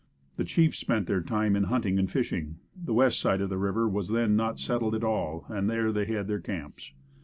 The chiefs spent their time in hunting and fishing. The west side of the river was then not settled at all and there they had their camps.